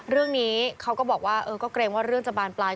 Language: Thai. เรื่องนี้เขาก็บอกว่าเออก็เกรงว่าเรื่องจะบานปลาย